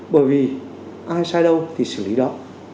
bởi vì ai sai đâu thì xử lý đó